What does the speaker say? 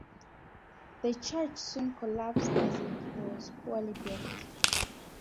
The church soon collapsed as it was poorly built.